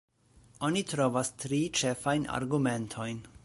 Oni trovas tri ĉefajn argumentojn.